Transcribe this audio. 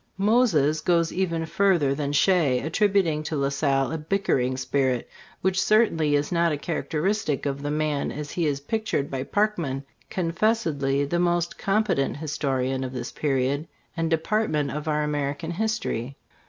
Moses* goss even further than Shea, attributing to La Salle a bickering spirit, which certainly is not a characteristic of the man as he is pictured by Parkman, confessedly the most competent historian of this period and de partment of our American history.